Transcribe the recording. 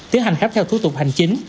tiến hành khắp theo thủ tục hành chính